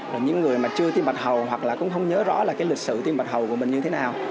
và những người mà chưa tiêm bạch hầu hoặc là cũng không nhớ rõ là lịch sử tiêm bạch hầu của mình như thế nào